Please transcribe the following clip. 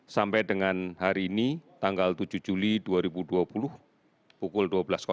sampai dengan hari ini tanggal tujuh juli dua ribu dua puluh pukul dua belas